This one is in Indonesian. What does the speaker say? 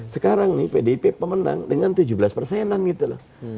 sekarang nih pdip pemenang dengan tujuh belas persenan gitu loh